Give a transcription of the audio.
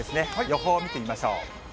予報を見てみましょう。